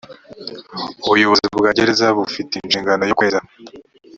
ubuyobozi bwa gereza bufite inshingano yo kweza